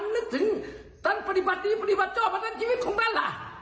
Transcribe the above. นึกถึงตันปฏิบัตินี้ปฏิบัติเจ้าประดับชีวิตของตันล่ะ